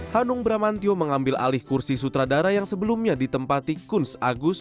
hanung bramantio mengambil alih kursi sutradara yang sebelumnya ditempati kuns agus